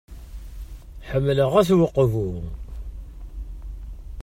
Ḥemmleɣ At Uqbu.